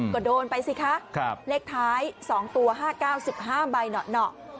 ก็โดนไปสิคะเลขท้าย๒ตัว๕๙๑๕ใบหนอ